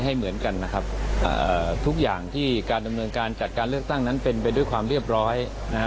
ให้เหมือนกันนะครับทุกอย่างที่การดำเนินการจัดการเลือกตั้งนั้นเป็นไปด้วยความเรียบร้อยนะฮะ